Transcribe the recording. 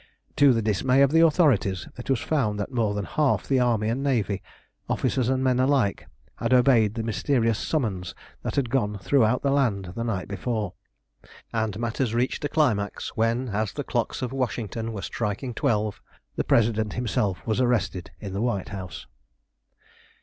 To the dismay of the authorities, it was found that more than half the army and navy, officers and men alike, had obeyed the mysterious summons that had gone throughout the land the night before; and matters reached a climax when, as the clocks of Washington were striking twelve, the President himself was arrested in the White House.